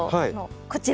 こちら。